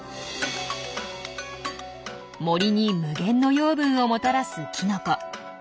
森に無限の養分をもたらすキノコ。